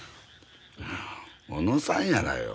小野さんやらよ。